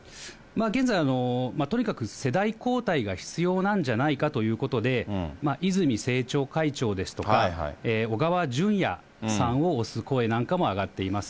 現在、とにかく世代交代が必要なんじゃないかということで、泉政調会長ですとか、小川淳也さんを推す声なんかも上がっています。